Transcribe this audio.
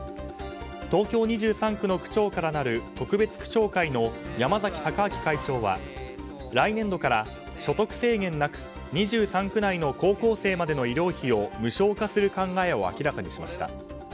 東京２３区の区長からなる特別区長会の山崎孝明会長は、来年度から所得制限なく２３区内の高校生までの医療費を無償化する考えを明らかにしました。